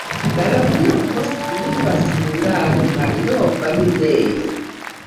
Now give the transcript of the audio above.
La loknomo signifas hungare: malnova minejo.